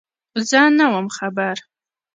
_زه نه وم خبر.